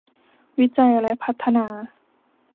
วิจัยและพัฒนา